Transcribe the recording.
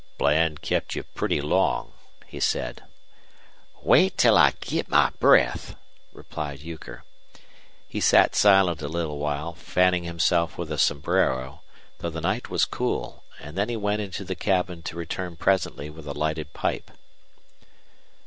"Bland kept you pretty long," he said. "Wait till I git my breath," replied Euchre. He sat silent a little while, fanning himself with a sombrero, though the night was cool, and then he went into the cabin to return presently with a lighted pipe.